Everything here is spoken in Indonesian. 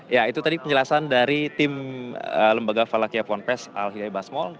ya itu tadi penjelasan dari tim lembaga falakya puan pes al hidayat basmol